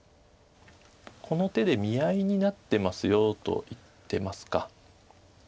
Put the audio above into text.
この手で見合いになってますよと言ってますか。